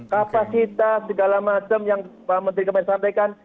kapasitas segala macam yang pak menteri kemarin sampaikan